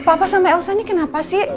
papa sama elsa ini kenapa sih